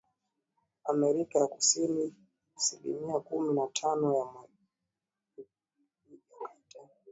Amerika ya Kusini silimia kumi na tano ya majitaka yaliyokusanywa ndio yalitibiwa